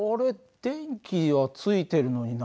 電気はついてるのにな